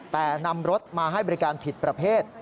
แต่นำรถมาให้บริการผิดประเภท